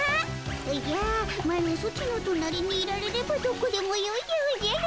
おじゃマロソチの隣にいられればどこでもよいでおじゃる。